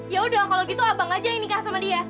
yaudah kalo gitu abang aja yang nikah sama dia